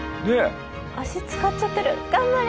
足つかっちゃってる頑張れ！